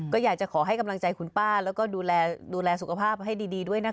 ก็อยากจะขอให้กำลังใจคุณป้าแล้วก็ดูแลสุขภาพให้ดีด้วยนะคะ